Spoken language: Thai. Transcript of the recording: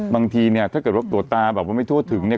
บางทีเนี่ยถ้าเกิดว่าตรวจตาแบบว่าไม่ทั่วถึงเนี่ย